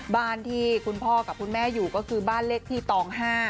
บ้านที่คุณพ่อกับคุณแม่อยู่ก็คือบ้านเลขที่ตอง๕